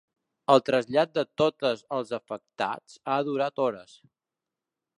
El trasllat de totes els afectats ha durat hores.